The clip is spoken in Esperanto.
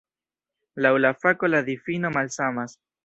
Laŭ la fako la difino malsamas.